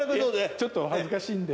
ちょっとお恥ずかしいんで。